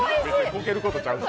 ボケることちゃうねん。